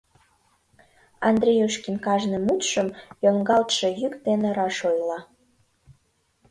Андреюшкин кажне мутшым йоҥгалтше йӱк дене раш ойла: